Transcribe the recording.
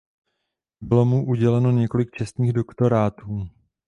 Bylo mu uděleno několik čestných doktorátů.